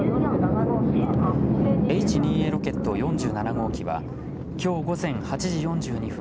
Ｈ２Ａロケット４７号機はきょう午前８時４２分